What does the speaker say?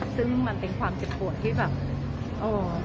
ซึ่งมันเป็นความจริงที่แบบเอ่อ